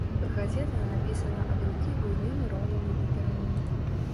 Газета напісана ад рукі буйнымі роўнымі літарамі.